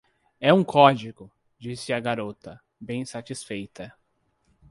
"É um código!”, disse a garota, bem satisfeita